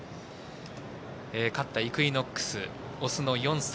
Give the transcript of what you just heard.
勝ったイクイノックスオスの４歳。